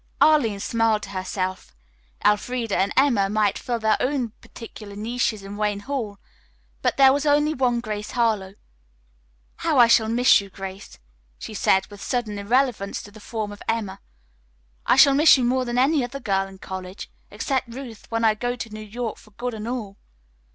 Arline smiled to herself. Elfreda and Emma might fill their own particular niches in Wayne Hall, but there was only one Grace Harlowe. "How I shall miss you, Grace," she said with sudden irrelevance to the subject of Emma. "I shall miss you more than any other girl in college, except Ruth, when I go to New York for good and all."